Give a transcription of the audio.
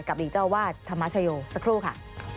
อดีตเจ้าวาดธรรมชโยสักครู่ค่ะ